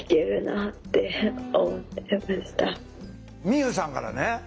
みゆうさんからね